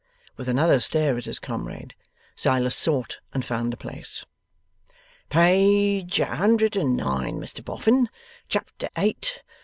With another stare at his comrade, Silas sought and found the place. 'Page a hundred and nine, Mr Boffin. Chapter eight.